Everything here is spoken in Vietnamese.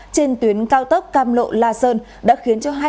trên tuyến cao tốc cam lộ la sơn đã khiến hai người chết